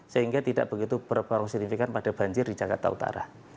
sehingga tidak begitu berpengaruh signifikan pada banjir di jakarta utara